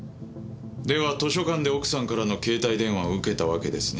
では図書館で奥さんからの携帯電話を受けたわけですね？